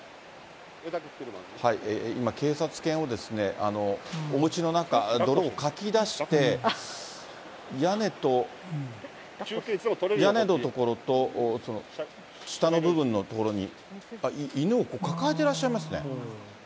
今、警察犬をおうちの中、泥をかき出して、屋根の所と、下の部分の所に、犬を抱えてらっしゃいますね。